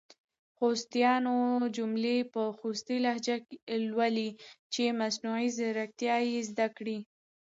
خوستیانو جملي په خوستې لهجه لولۍ چې مصنوعي ځیرکتیا یې زده کړې!